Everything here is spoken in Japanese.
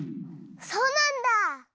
そうなんだ！